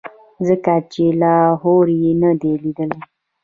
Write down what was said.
ځکه چې لاهور یې نه دی لیدلی.